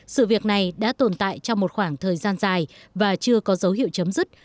sự việc này đã tồn tại trong một khoảng thời gian dài và chưa có dấu hiệu chấm dứt